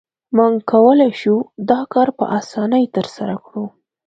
موږ کولای شو دا کار په اسانۍ ترسره کړو